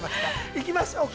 行きましょうか。